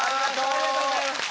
ありがとうございます。